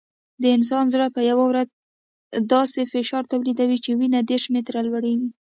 د انسان زړه په یوه ورځ داسې فشار تولیدوي چې وینه دېرش متره لوړېږي.